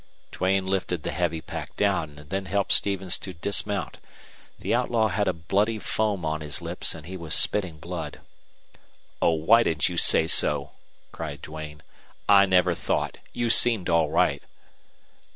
Duane lifted the heavy pack down and then helped Stevens to dismount. The outlaw had a bloody foam on his lips, and he was spitting blood. "Oh, why didn't you say so!" cried Duane. "I never thought. You seemed all right."